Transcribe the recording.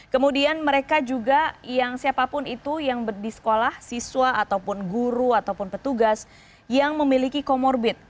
kemudian mereka juga yang siapapun itu yang di sekolah siswa ataupun guru ataupun petugas yang memiliki comorbid